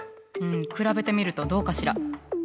比べてみるとどうかしら？